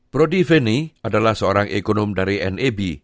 brody venney adalah seorang ekonom dari neb